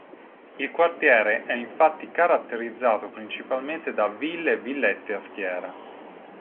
Il quartiere è infatti caratterizzato principalmente da ville e villette a schiera.